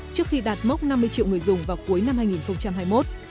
trước khi đạt mốc năm mươi triệu người dùng vào cuối năm hai nghìn hai mươi một